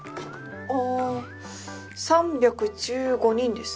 あぁ３１５人です。